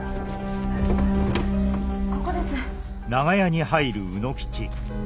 ・ここです。